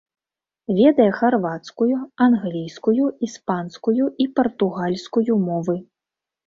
Ведае харвацкую, англійскую, іспанскую і партугальскую мовы.